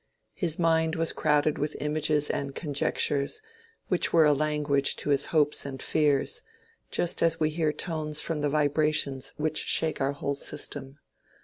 His mind was crowded with images and conjectures, which were a language to his hopes and fears, just as we hear tones from the vibrations which shake our whole system.